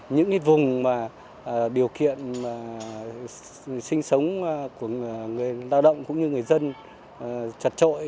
những cái vùng mà điều kiện sinh sống của người lao động cũng như người dân trật trội